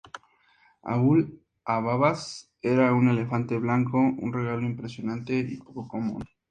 Abul-Abbas era un elefante blanco, un regalo impresionante y poco común.